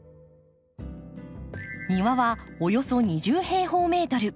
庭はおよそ２０平方メートル。